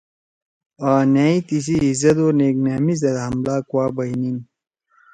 آں نأئی تِسی عزت او نیک نامی زید حملہ کُوا بئینین۔